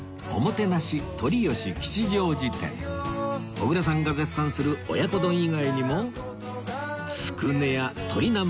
小倉さんが絶賛する親子丼以外にもつくねや鶏南蛮そば